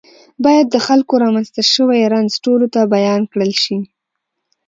باید د خلکو رامنځته شوی رنځ ټولو ته بیان کړل شي.